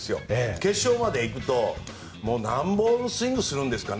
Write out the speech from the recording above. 決勝まで行くと何本スイングるするんですかね